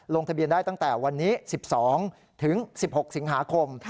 ลงทะเบียนได้ตั้งแต่วันนี้๑๒ถึง๑๖สิงหาคม